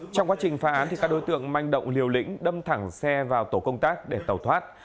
trong quá trình phá án các đối tượng manh động liều lĩnh đâm thẳng xe vào tổ công tác để tàu thoát